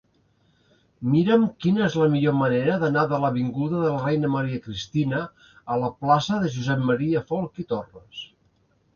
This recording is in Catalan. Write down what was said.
Mira'm quina és la millor manera d'anar de l'avinguda de la Reina Maria Cristina a la plaça de Josep M. Folch i Torres.